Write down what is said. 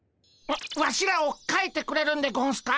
ワワシらをかいてくれるんでゴンスか？